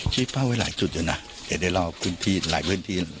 ที่เฝ้าไว้หลายจุดอยู่นะแต่ได้รอบพื้นที่หลายพื้นที่